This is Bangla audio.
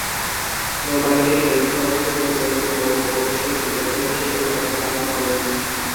নৌবাহিনীর হেড কোয়ার্টারে পরিচালক নৌ প্রকৌশল ডিরেক্টর হিসেবে দায়িত্ব পালন করেন।